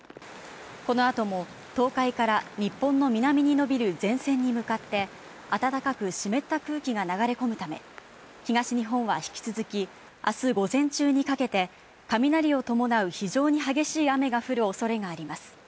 この後も東海から日本の南にのびる前線に向かって暖かく湿った空気が流れ込むため東日本は引き続き、あす午前中にかけて、雷を伴う非常に激しい雨が降る恐れがあります。